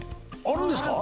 あるんですか？